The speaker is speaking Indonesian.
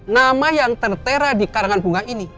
nama yang tertera di karangan bunga ini